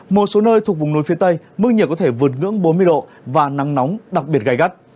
một số nơi thuộc vùng núi phía tây mức nhiệt có thể vượt ngưỡng bốn mươi độ và nắng nóng đặc biệt gai gắt